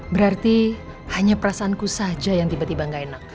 berarti hanya perasaanku saja yang tiba tiba gak enak